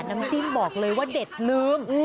น้ำจิ้มบอกเลยว่าเด็ดลืม